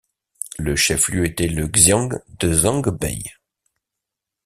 Le chef lieu était le Xian de Zhangbei.